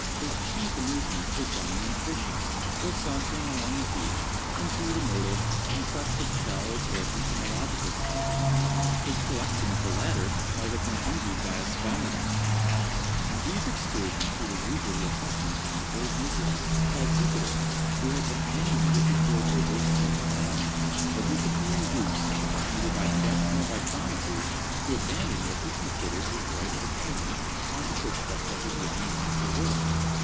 His chief amusements were gunning and fishing, or sauntering along the beach and through the myrtles, in quest of shells or entomological specimens—his collection of the latter might have been envied by a Swammerdamm. In these excursions he was usually accompanied by an old negro, called Jupiter, who had been manumitted before the reverses of the family, but who could be induced, neither by threats nor by promises, to abandon what he considered his right of attendance upon the footsteps of his young "Massa Will."